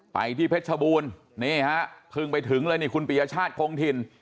ไปที่เพชรชบูรณ์นี่ฮะเพิ่งไปถึงเลยนี่คุณปียชาติคงถิ่น